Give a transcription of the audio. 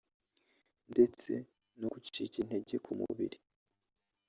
ndetse no gucika intege ku mubiri